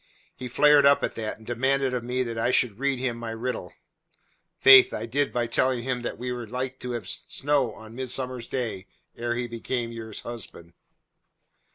He flared up at that, and demanded of me that I should read him my riddle. Faith, I did by telling him that we were like to have snow on midsummer's day ere he 'became your husband.